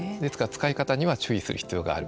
使い方には注意をする必要がある。